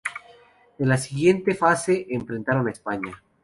En la siguiente fase enfrentaron a España.